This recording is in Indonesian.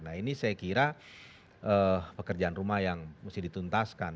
nah ini saya kira pekerjaan rumah yang mesti dituntaskan